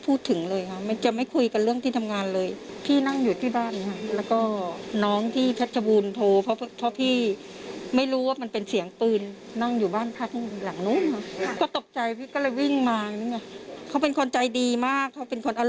เป็นคนอารมณ์ดีค่ะ